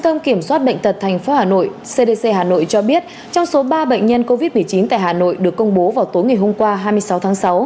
theo kiểm soát bệnh tật tp hà nội cdc hà nội cho biết trong số ba bệnh nhân covid một mươi chín tại hà nội được công bố vào tối ngày hôm qua hai mươi sáu tháng sáu